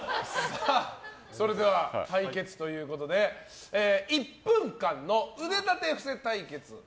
それでは対決ということで１分間の腕立て伏せ対決。